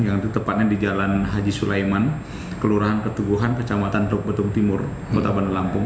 yang tepatnya di jalan haji sulaiman kelurahan ketuguhan kecamatan truk betung timur kota bandar lampung